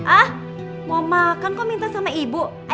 ah mau makan kau minta sama ibu ayo kamu kemana